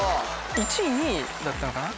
１位２位だったのかな？